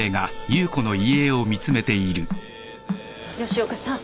吉岡さん。